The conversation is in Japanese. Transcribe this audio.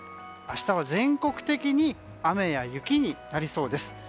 明日は全国的に雨や雪になりそうです。